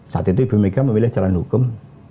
saat itu ibu mega memilih jalan hukum